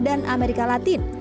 dan amerika latin